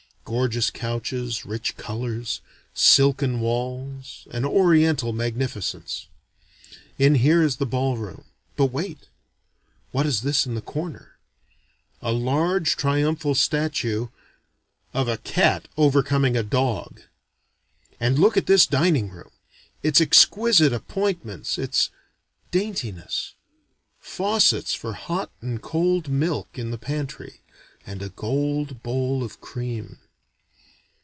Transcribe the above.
Gorgeous couches, rich colors, silken walls, an oriental magnificence. In here is the ballroom. But wait: what is this in the corner? A large triumphal statue of a cat overcoming a dog. And look at this dining room, its exquisite appointments, its daintiness: faucets for hot and cold milk in the pantry, and a gold bowl of cream.